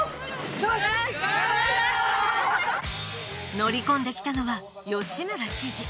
乗り込んできたのは吉村知事。